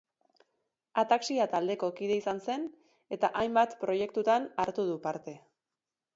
Ataxia taldeko kide izan zen eta hainbat proiektutan hartu du parte.